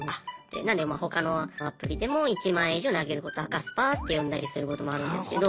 なので他のアプリでも１万円以上投げること赤スパって呼んだりすることもあるんですけど。